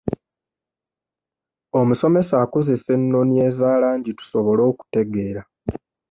Omusomesa akozesa ennoni eza langi tusobole okutegeera.